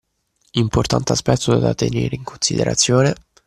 Importante aspetto da tenere in considerazione